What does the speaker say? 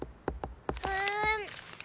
うん。